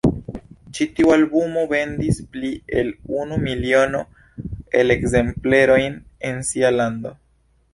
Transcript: Ĉi tiu albumo vendis pli el unu miliono el ekzemplerojn en sia lando.